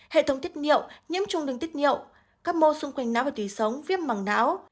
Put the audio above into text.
hệ thống tích nhiệu nhiễm trung đứng tích nhiệu các mô xung quanh não và tủy sống viêm mẳng não